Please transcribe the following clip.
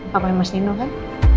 pak pai mas nino kan